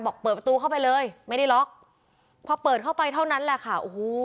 เปิดประตูเข้าไปเลยไม่ได้ล็อกพอเปิดเข้าไปเท่านั้นแหละค่ะโอ้โห